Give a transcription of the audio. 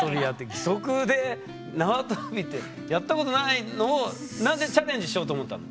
義足でなわとびってやったことないのをなぜチャレンジしようと思ったの？